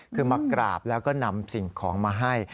คือมากราบแล้วก็นำสิ่งของมาให้